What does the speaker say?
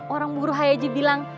orang buruh aja bilang